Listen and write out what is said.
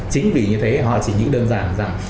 chính vì như thế họ chỉ nghĩ đơn giản rằng